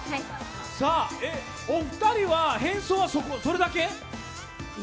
お二人は変装はそれだけ？